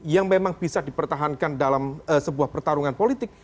yang memang bisa dipertahankan dalam sebuah pertarungan politik